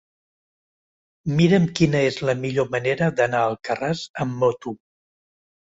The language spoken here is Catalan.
Mira'm quina és la millor manera d'anar a Alcarràs amb moto.